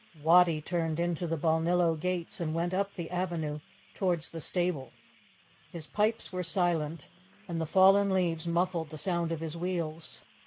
Wattie turned into the Balnillo gates and went up the avenue towards the stable. His pipes were silent, and the fallen leaves muffled the sound of his wheels.